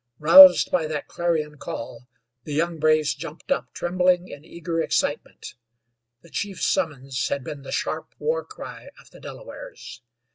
Roused by that clarion call, the young braves jumped up, trembling in eager excitement. The chief's summons had been the sharp war cry of the Delawares.